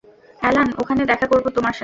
Alan, ওখানে দেখা করব তোমার সাথে।